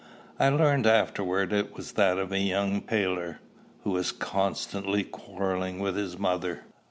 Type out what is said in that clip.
I learned afterwards it was that of a young tailor, who was constantly quarrelling with his mother.